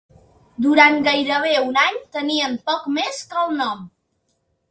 Durant gairebé un any tenien poc més que el nom.